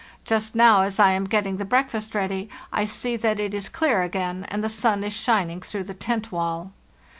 Just now, as I am getting the breakfast ready, I see that it is clear again, and the sun is shining through the tent wall.